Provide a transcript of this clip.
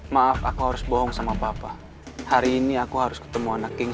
maaf aku harus bohong sama bapak hari ini aku harus ketemu anak king